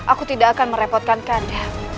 aku tidak akan merepotkan kami